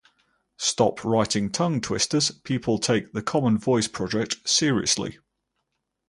Stop writing tongue twisters, people take the common voice project seriously.